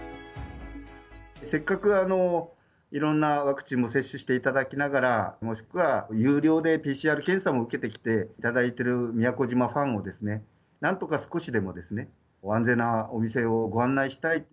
せっかくいろんなワクチンも接種していただきながら、もしくは有料でＰＣＲ検査も受けてきていただいている宮古島ファンを、なんとか少しでも安全なお店をご案内したい。